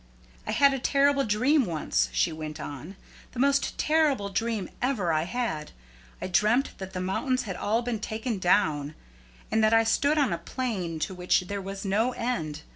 "I had a terrible dream once," she went on; "the most terrible dream ever I had. I dreamt that the mountains had all been taken down, and that I stood on a plain to which there was no end.